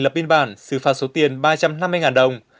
lập biên bản xử phạt số tiền ba trăm năm mươi đồng